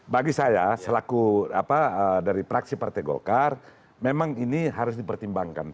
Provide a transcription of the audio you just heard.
bagi saya selaku dari praksi partai golkar memang ini harus dipertimbangkan